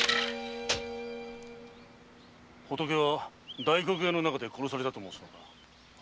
仏は大黒屋の中で殺されたと申すのか？